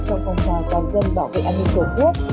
trong công trò toàn dân bảo vệ an ninh cầu quốc